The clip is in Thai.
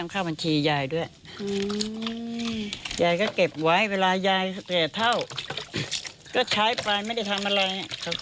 เข้าบัญชียายด้วยยายก็เก็บไว้เวลายาย๘เท่าก็ใช้ไปไม่ได้ทำอะไร